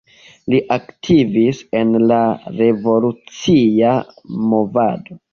Li aktivis en la revolucia movado.